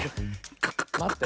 まって。